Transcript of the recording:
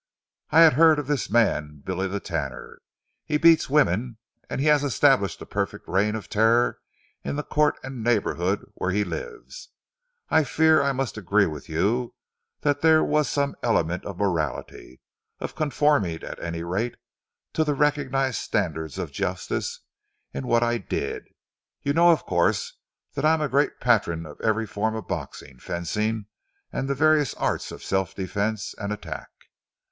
I had heard of this man Billy the Tanner. He beats women, and has established a perfect reign of terror in the court and neighbourhood where he lives. I fear I must agree with you that there were some elements of morality of conforming, at any rate, to the recognised standards of justice in what I did. You know, of course, that I am a great patron of every form of boxing, fencing, and the various arts of self defence and attack.